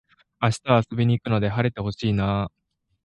明日は遊びに行くので晴れて欲しいなあ